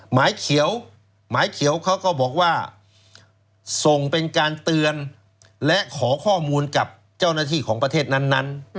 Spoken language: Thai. หมายเขียวหมายเขียวเขาก็บอกว่าส่งเป็นการเตือนและขอข้อมูลกับเจ้าหน้าที่ของประเทศนั้น